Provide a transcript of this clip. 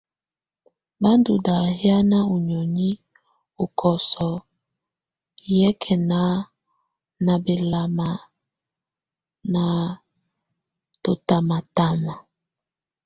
Bá ndɔ̀ ndà hìána ú nìóni ú kɔsɔɔ̀ yɛkɛŋa ná bɛlama ná tɔtamatama.